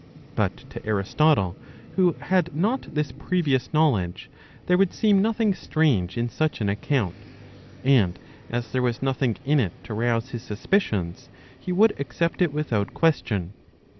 But to Aristotle, who had not this previous \ k nowled ge, there would seem nothing strange in such an account ; arid as there was nothing in it to rouse his suspicions, he would accept it without question.